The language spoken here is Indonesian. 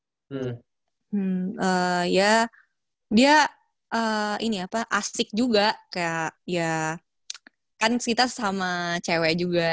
hmm ya dia ini apa asik juga kayak ya kan kita sama cewek juga